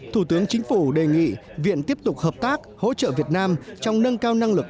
thủ tướng chính phủ đề nghị viện tiếp tục hợp tác hỗ trợ việt nam trong nâng cao năng lực